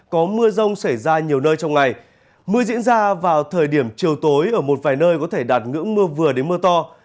có mưa rông xảy ra nhiều nơi trong ngày mưa diễn ra vào thời điểm chiều tối ở một vài nơi có thể đạt ngưỡng mưa vừa đến mưa to